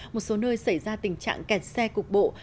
một số nơi xảy ra tình trạng kẹt xe cục bộ